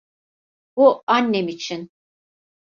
Bu annem için.